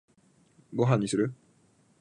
ご飯にする？